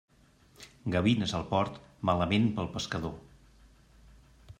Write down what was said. Gavines al port, malament pel pescador.